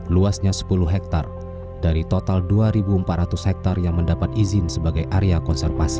luasnya sepuluh hektare dari total dua empat ratus hektare yang mendapat izin sebagai area konservasi